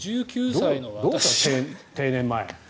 どうする、定年前。